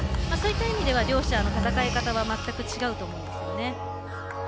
そういった意味では両者の戦い方全く違うと思います。